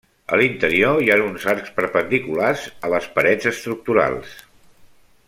A l'interior hi ha uns arcs perpendiculars a les parets estructurals.